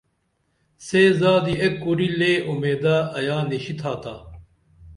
سے زادی ایک کُری لے اُمیدہ آیا نِشی تھاتا